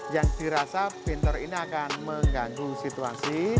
yang dirasa pinter ini akan mengganggu situasi